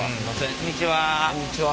こんにちは。